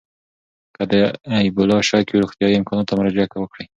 که د اېبولا شک وي، روغتیايي امکاناتو ته مراجعه وکړئ.